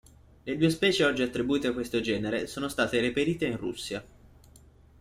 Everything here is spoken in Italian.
Le due specie oggi attribuite a questo genere sono state reperite in Russia.